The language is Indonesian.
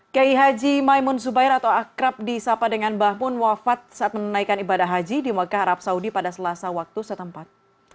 kiai haji maimun zubair atau akrab disapa dengan mbah mun wafat saat menunaikan ibadah haji di mekah arab saudi pada selasa waktu setempat